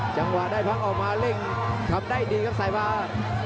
จังหวะได้พักออกมาเร่งทำได้ดีครับสายฟ้า